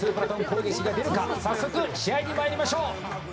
早速試合に参りましょう。